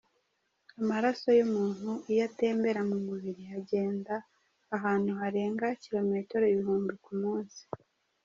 Amaraso y’umuntu iyo atembera mu mubiri agenda ahantu harenga kirometero ibihumbi ku munsi.